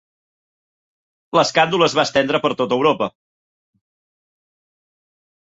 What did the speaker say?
L'escàndol es va estendre per tot Europa.